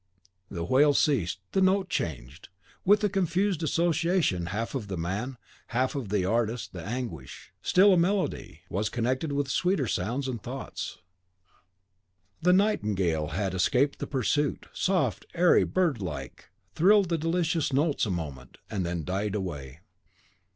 The wail ceased, the note changed; with a confused association half of the man, half of the artist the anguish, still a melody, was connected with sweeter sounds and thoughts. The nightingale had escaped the pursuit, soft, airy, bird like, thrilled the delicious notes a moment, and then died away.